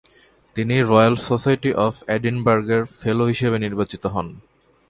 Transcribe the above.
তিনি royal society of এডিনবার্গের fellow হিসাবে নির্বাচিত হন।